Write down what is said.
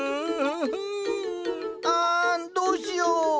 あんどうしよう。